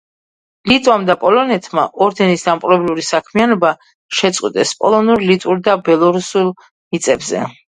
ლიტვამ და პოლონეთმა ორდენის დამპყრობლური საქმიანობა შეწყვიტეს პოლონურ-ლიტვურ და ბელორუსულ მიწებზე.